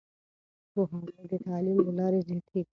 پوهاوی د تعليم له لارې زياتېږي.